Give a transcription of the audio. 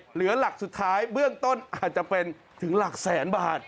เหลือหลักสุดท้ายเบื้องต้นอาจจะเป็นถึงหลักแสนบาท